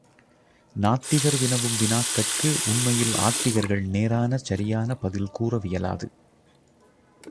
நாத்திகர் வினவும் வினாக்கட்கு உண்மையில் ஆத்திகர்கள் நேரான சரியான பதில் கூறவியலாது.